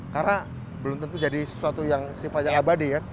karena belum tentu jadi sesuatu yang sifatnya abadi ya